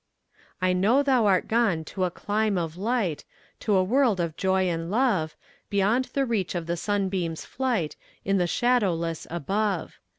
I know thou art gone to a clime of light, To a world of joy and love, Beyond the reach of the sunbeam's flight, In the shadowless above.